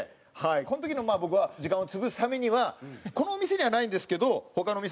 この時の僕は時間を潰すためにはこのお店にはないんですけど他の店とかで。